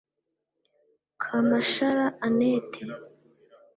Kamashara Annette